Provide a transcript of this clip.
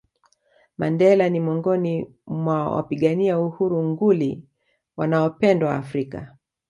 Mandela ni miongoni mwa wapigania uhuru nguli wanaopendwa Afrika